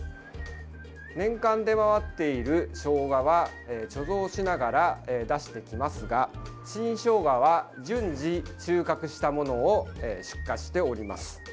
年間出回っているしょうがは貯蔵しながら出してきますが新しょうがは順次収穫したものを出荷しております。